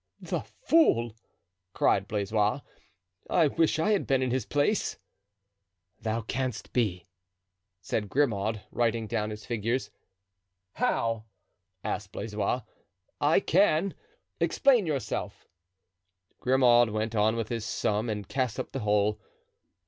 "The fool!" cried Blaisois, "I wish I had been in his place." "Thou canst be," said Grimaud, writing down his figures. "How?" asked Blaisois, "I can? Explain yourself." Grimaud went on with his sum and cast up the whole.